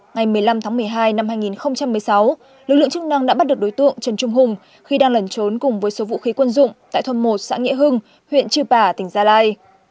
ngày một mươi năm tháng một mươi hai năm hai nghìn một mươi sáu lực lượng chức năng đã bắt được đối tượng trần trung hùng khi đang lẩn trốn cùng với số vũ khí quân dụng tại thôn một xã nghĩa hưng huyện chư pả tỉnh gia lai